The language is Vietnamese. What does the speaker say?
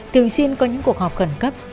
thường xuyên có những cuộc họp khẩn cấp